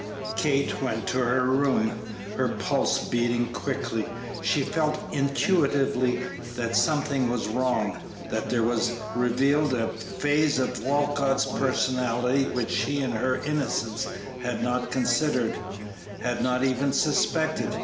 Kate went to her room, her pulse beating quickly. She felt intuitively that something was wrong; that here was revealed a phase of Walcott's personality which she in her innocence had not considered, had not even suspected.